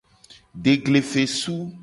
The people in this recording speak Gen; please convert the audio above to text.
Deglefesu.